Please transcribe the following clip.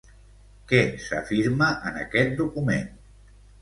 Què s'afirma en aquest document?